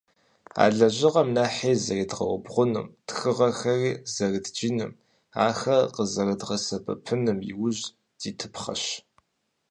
А лэжьыгъэм нэхъри зэрызедгъэубгъуным, тхыгъэхэри зэрыдджыным, ахэр къызэрыдгъэсэбэпыным иужь дитыпхъэщ.